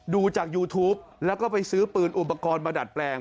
ดูจากยูทูปแล้วก็ไปซื้อปืนอุปกรณ์มาดัดแปลง